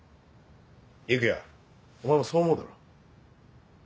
育哉お前もそう思うだろう。